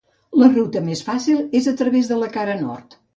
La ruta més fàcil és a través de la cara nord.